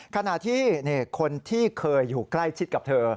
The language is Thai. ขณะที่คนที่เคยอยู่ใกล้ชิดกับเธอ